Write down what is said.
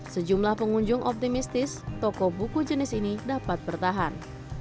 sejumlah pengunjung optimistis toko buku jenis ini dapat bertahan